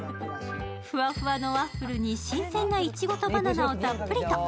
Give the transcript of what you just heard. ふわふわのワッフルに新鮮ないちごとバナナをたっぷりと。